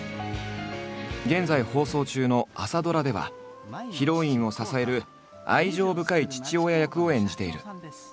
現在放送中の朝ドラではヒロインを支える愛情深い父親役を演じている。